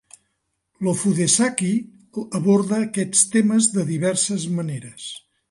L'ofudesaki aborda aquests temes de diverses maneres.